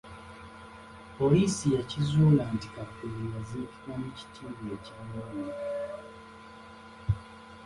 Poliisi yakizuula nti Kafeero yaziikibwa mu kitiibwa eky'amaanyi.